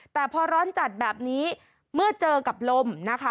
แต่พอร้อนจัดแบบนี้เมื่อเจอกับลมนะคะ